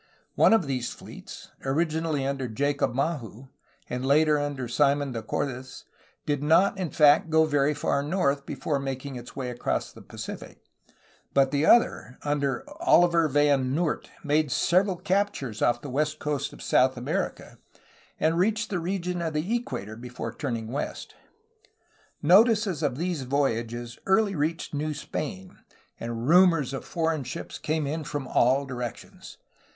One of these fleets, originally under Jacob Mahu and later under Simon de Cordes, did not in fact go very far north before making its way across the Pacific, but the other under Olivier Van Noort made several captures off the west coast of South America, and reached the region of the equator before turn ing west. Notice of these voyages early reached New Spain, and rumors of foreign ships came in from all directions.